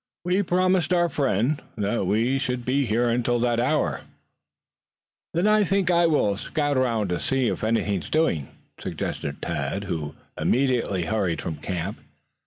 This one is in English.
"We promised our friend that we should be here until that hour, you know." "Then I think I will scout around to see if anything is doing," suggested Tad, who immediately hurried from camp.